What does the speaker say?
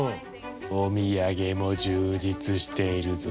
お土産も充実しているぞ。